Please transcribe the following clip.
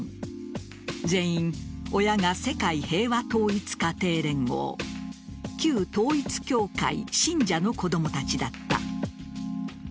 全員、親が世界平和統一家庭連合旧統一教会信者の子供たちだった。